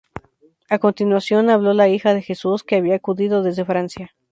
A continuación habló la hija de Jesús, que había acudido desde Francia.